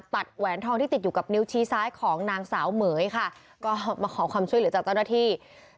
แหวนทองที่ติดอยู่กับนิ้วชี้ซ้ายของนางสาวเหม๋ยค่ะก็มาขอความช่วยเหลือจากเจ้าหน้าที่